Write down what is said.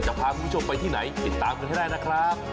พาคุณผู้ชมไปที่ไหนติดตามกันให้ได้นะครับ